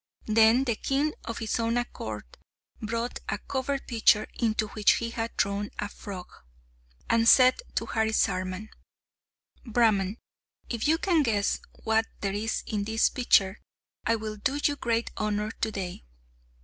Then the king of his own accord brought a covered pitcher into which he had thrown a frog, and said to Harisarman, "Brahman, if you can guess what there is in this pitcher, I will do you great honour to day."